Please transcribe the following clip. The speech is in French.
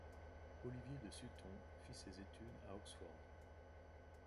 Olivier de Sutton fit ses études à Oxford.